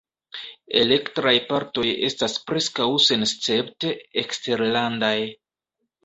Elektraj partoj estas preskaŭ senescepte eksterlandaj.